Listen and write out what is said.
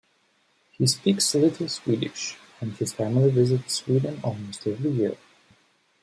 He speaks a little Swedish, and his family visits Sweden almost every year.